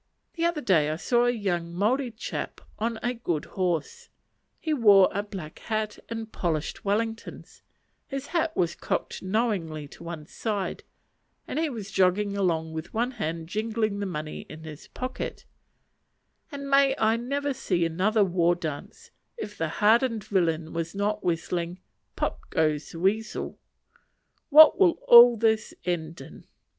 The other day I saw a young Maori chap on a good horse; he wore a black hat and polished Wellingtons, his hat was cocked knowingly to one side, and he was jogging along with one hand jingling the money in his pocket; and may I never see another war dance, if the hardened villain was not whistling "Pop goes the weasel!" What will all this end in?